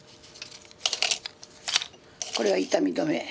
これは痛み止め。